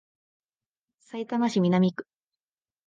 さいたま市南区